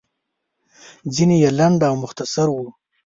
ځينې يې لنډ او مختصر وو.